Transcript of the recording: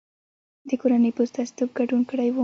د کورنۍ په استازیتوب ګډون کړی و.